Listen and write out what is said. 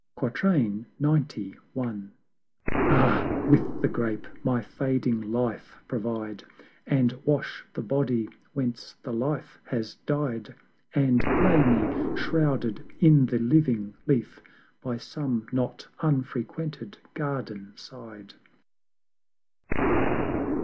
XCI. Ah, with the Grape my fading life provide, And wash the Body whence the Life has died, And lay me, shrouded in the living Leaf, By some not unfrequented Garden side.